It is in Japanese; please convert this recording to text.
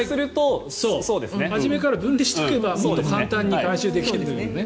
初めから分離しておけばもっと簡単に回収できるよね。